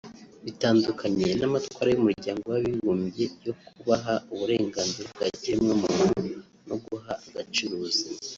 bitandukanye n’amatwara y’Umuryango w’Abibumbye yo kubaha uburenganzira bwa kiremwamuntu no guha agaciro ubuzima